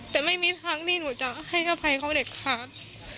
แต่ไม่มีทางที่หนูจะให้อภัยเขาเด็ดขาด